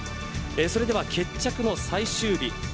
それでは決着の最終日。